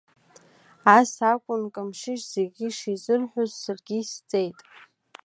Ас акәын Камшьышь зегьы ишизырҳәоз, саргьы исҵеит.